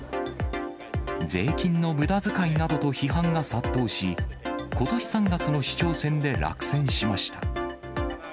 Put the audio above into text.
税金のむだづかいなどと批判が殺到し、ことし３月の市長選で落選しました。